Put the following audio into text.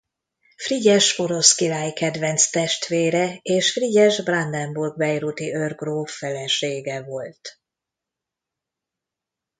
Frigyes porosz király kedvenc testvére és Frigyes brandenburg–bayreuthi őrgróf felesége volt.